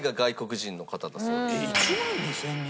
えっ１万２０００人？